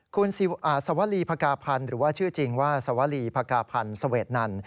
คุณอาศวรีภกาพันธ์หรือว่าชื่อจริงว่าอาศวรีภกาพันธ์สเวทนั่น